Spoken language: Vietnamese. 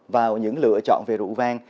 vào những lựa chọn về rượu vang